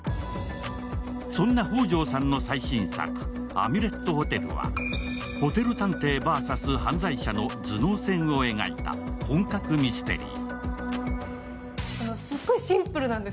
そんな方丈さんの最新作「アミュレット・ホテル」はホテル探偵ｖｓ犯罪者の頭脳戦を描いた本格ミステリー。